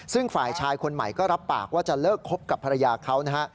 ซึ่งฝ่ายชายคนใหม่ก็รับปากว่าจะเลิกคบกับภรรยาเขานะฮะ